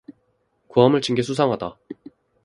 고함을 친 게 수상하다